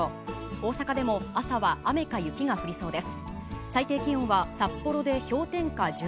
大阪でも朝は雨か雪が降りそうです。